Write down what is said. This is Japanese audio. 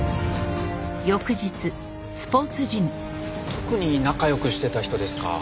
特に仲良くしてた人ですか？